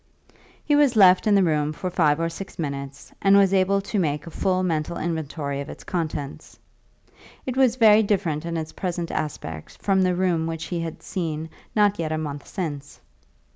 He was left in the room for five or six minutes, and was able to make a full mental inventory of its contents. It was very different in its present aspect from the room which he had seen not yet a month since.